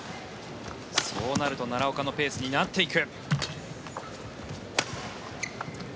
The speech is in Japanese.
そうなると奈良岡のペースになっていく。